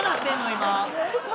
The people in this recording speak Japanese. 今。